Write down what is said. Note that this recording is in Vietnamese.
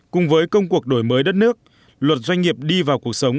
cùng với công cuộc đổi mới đất nước luật doanh nghiệp đi vào cuộc sống